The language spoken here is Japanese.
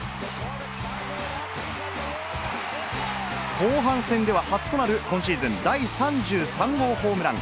後半戦では初となる、今シーズン第３３号ホームラン。